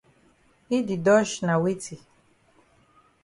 Yi di dodge na weti?